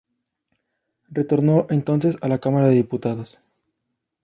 Retornó entonces a la Cámara de Diputados.